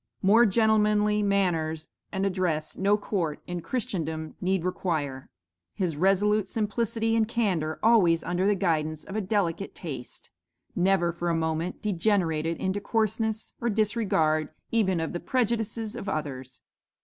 More gentlemanly manners and address no court in Christendom need require; his resolute simplicity and candor, always under the guidance of a delicate taste, never for a moment degenerated into coarseness or disregard even of the prejudices of others.